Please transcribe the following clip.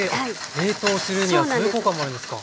冷凍するにはそういう効果もあるんですか。